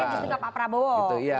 harus besarnya justru pak prabowo